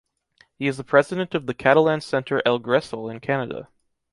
He is the president of the Catalan center El Gresol in Canada.